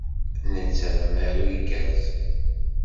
Netta d amaru igerrzen.